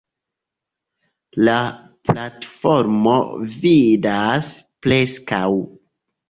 La platformo vidas preskaŭ.